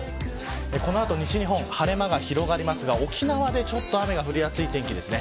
この後、西日本晴れ間が広がりますが沖縄は雨が降りやすい天気です。